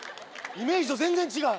イメージと全然違う。